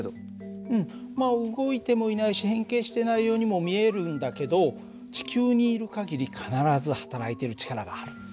動いてもいないし変形してないようにも見えるんだけど地球にいる限り必ずはたらいている力がある。